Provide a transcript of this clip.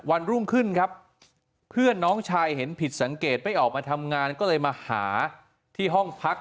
วันรุ่งขึ้นครับเพื่อนน้องชายเห็นผิดสังเกตไม่ออกมาทำงานก็เลยมาหาที่ห้องพัก